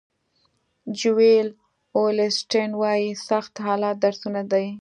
جویل اولیسټن وایي سخت حالات درسونه دي.